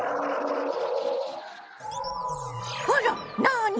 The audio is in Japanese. あらなに？